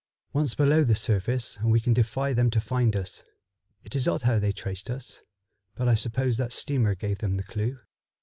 "Once below the surface and we can defy them to find us. It is odd how they traced us, but I suppose that steamer gave them the clue."